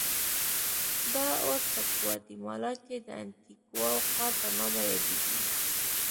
دا اوس په ګواتیمالا کې د انتیګوا ښار په نامه یادېږي.